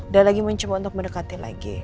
dan lagi mencoba untuk mendekati lagi